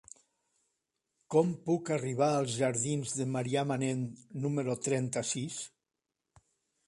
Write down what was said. Com puc arribar als jardins de Marià Manent número trenta-sis?